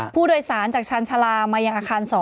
ผู้โดยสารจากชาญชาลามายังอาคาร๒